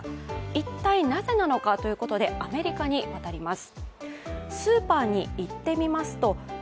一体、なぜなのかということで、アメリカに渡ります。